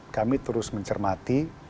kami terus mencermati